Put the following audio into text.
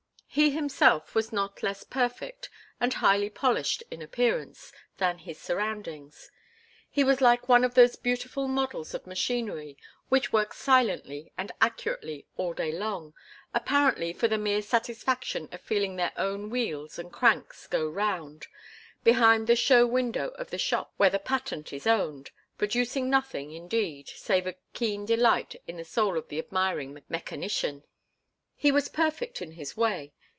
He himself was not less perfect and highly polished in appearance than his surroundings. He was like one of those beautiful models of machinery which work silently and accurately all day long, apparently for the mere satisfaction of feeling their own wheels and cranks go round, behind the show window of the shop where the patent is owned, producing nothing, indeed, save a keen delight in the soul of the admiring mechanician. He was perfect in his way.